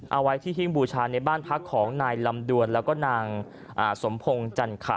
เอาไว้ที่หิ้งบูชาในบ้านพักของนายลำดวนแล้วก็นางสมพงศ์จันขะ